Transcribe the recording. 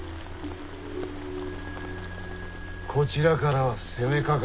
こちらからは攻めかからん。